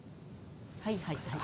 はいはいはい。